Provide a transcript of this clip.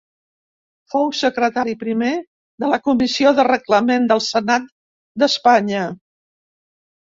Fou secretari primer de la Comissió de Reglament del Senat d'Espanya.